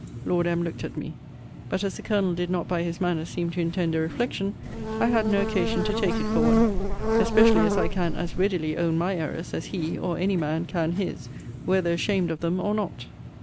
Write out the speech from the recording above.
Lord M. looked at me; but as the Colonel did not by his manner seem to intend a reflection, I had no occasion to take it for one; especially as I can as readily own my errors, as he, or any man, can his, whether ashamed of them or not.